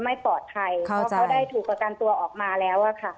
ไม่ปลอดภัยเพราะเขาได้ถูกประกันตัวออกมาแล้วอะค่ะ